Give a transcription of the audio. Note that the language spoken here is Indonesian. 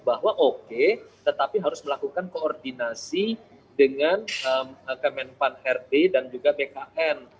bahwa oke tetapi harus melakukan koordinasi dengan kemen pan herde dan juga bkn